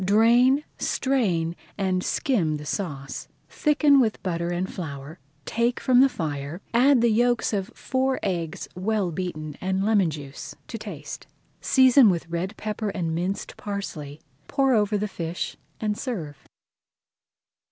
Drain, strain, and skim the sauce, thicken with butter and flour, take from the fire, add the yolks of four eggs well beaten and lemon juice to taste. Season with red pepper and minced parsley, pour over the fish, and serve.